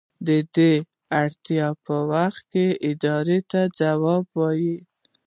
دا د اړتیا په وخت ادارې ته ځواب وايي.